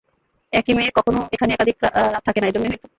একই মেয়ে কখনও এখানে একাধিক রাত থাকে না, এজন্যই হয়তো?